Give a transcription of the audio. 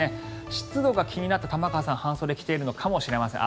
湿度が気になった玉川さんは半袖を着ているのかもしれません。